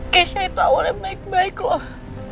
keisha itu gak boleh baik baik loh